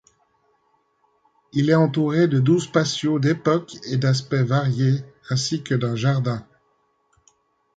Il est entouré de douze patios d'époques et d'aspects variés ainsi que d'un jardin.